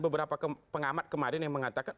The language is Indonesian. beberapa pengamat kemarin yang mengatakan